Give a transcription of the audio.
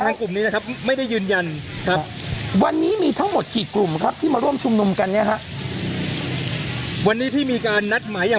ทางกลุ่มมวลชนทะลุฟ้าทางกลุ่มมวลชนทะลุฟ้า